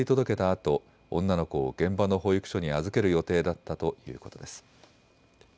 あと女の子を現場の保育所に預ける予定だったということです。